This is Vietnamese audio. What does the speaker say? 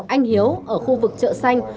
anh hiếu ở khu vực chợ xanh